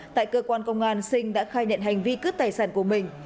tại cơ quan công an sinh đã khai nhận hành vi cướp tài sản của mình